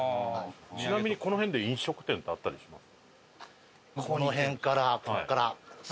ちなみにこの辺で飲食店ってあったりします？